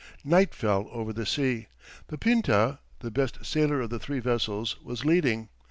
Night fell over the sea. The Pinta, the best sailor of the three vessels, was leading.